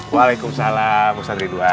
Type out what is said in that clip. waalaikumsalam ustaz ridwan